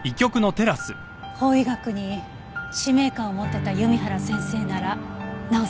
法医学に使命感を持ってた弓原先生ならなおさらですね。